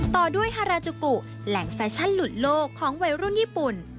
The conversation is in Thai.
ต่อด้วยฮาราจุกุแหล่งแฟชั่นหลุดโลกของวัยรุ่นญี่ปุ่น